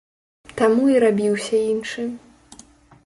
Таму і рабіўся іншы.